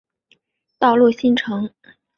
道路新城。